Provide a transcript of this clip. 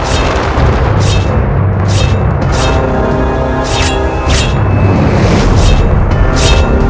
sampai jumpa di video selanjutnya